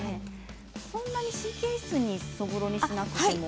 そんなに神経質にそぼろにしなくても。